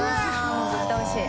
もう絶対おいしい。